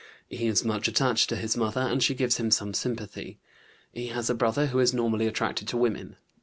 He is much attached to his mother, and she gives him some sympathy. He has a brother who is normally attracted to women.